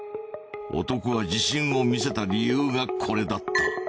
男が自信を見せた理由がこれだった。